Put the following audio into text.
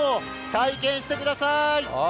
体験してくださーい。